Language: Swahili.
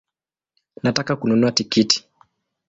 Nataka kununua tikiti